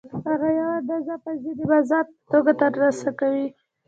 هغه یوه اندازه پیسې د مزد په توګه ترلاسه کوي